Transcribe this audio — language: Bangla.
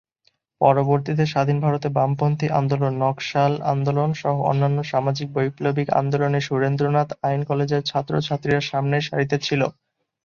পরবর্তীতে স্বাধীন ভারতে বামপন্থী আন্দোলন, নকশাল আন্দোলন সহ অন্যান্য সামাজিক, বৈপ্লবিক আন্দোলনে সুরেন্দ্রনাথ আইন কলেজের ছাত্র ছাত্রীরা সামনের সারিতে ছিল।